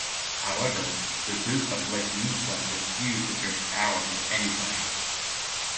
However, the Duke of Legnica refused to share the power with anybody.